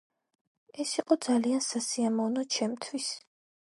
ეს იყო ძალიან სასიამოვნო ჩემთვის.